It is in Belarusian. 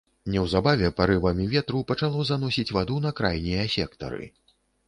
Неўзабаве парывамі ветру пачало заносіць ваду на крайнія сектары.